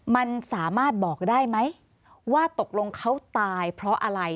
มันสามารถบอกได้ไหมว่าตกลงเขาตายเพราะอะไร